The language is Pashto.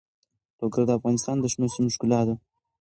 لوگر د افغانستان د شنو سیمو ښکلا ده.